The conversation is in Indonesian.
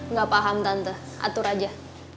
nggak paham tante atur aja